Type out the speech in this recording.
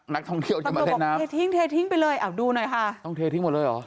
นักท่องเที่ยวมาเท่าน้ำเททิ้งไปเลยอ่ะดูหน่อยค่ะต้องเททิ้งหมดเลยหรอ